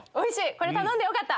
これ頼んでよかった。